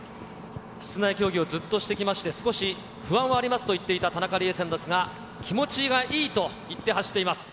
室内競技をずっとしてきまして、少し不安はありますと言っていた田中理恵さんですが、気持ちがいいと言って走っています。